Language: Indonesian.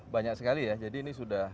banyak sekali ya jadi ini sudah